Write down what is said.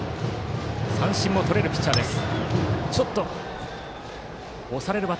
三振もとれるピッチャーです。